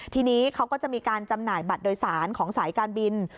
ทีนี้เขาก็จะมีการจำหน่ายบัตรโดยสารของสายการบิน